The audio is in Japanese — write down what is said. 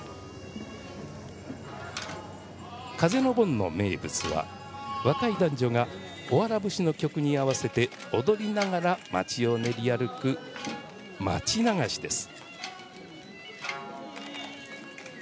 風の盆の名物は、若い男女が「おわら節」の曲に合わせて踊りながら町を練り歩く町流しです。